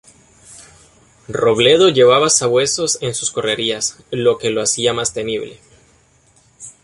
Robledo llevaba sabuesos en sus correrías, lo que lo hacía más temible.